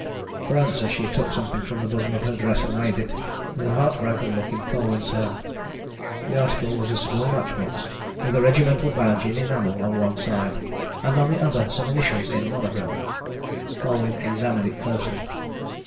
For answer she took something from the bosom of her dress and laid it, with a heart broken look, in Colwyn's hand. The article was a small match box, with a regimental badge in enamel on one side, and on the other some initials in monogram. Colwyn examined it closely.